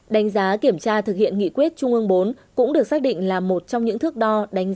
đánh giá kiểm tra thực hiện nghị quyết trung ương bốn cũng được xác định là một trong những thước đo đánh